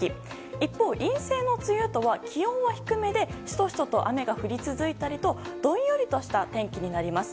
一方、陰性の梅雨とは気温は低めでシトシトと雨が降り続いたりとどんよりとした天気になります。